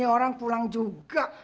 orang pulang juga